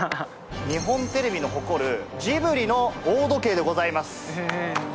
日本テレビの誇るジブリの大時計でございます。